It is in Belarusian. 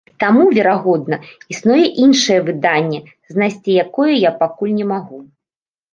Таму, верагодна, існуе іншае выданне, знайсці якое я пакуль не магу.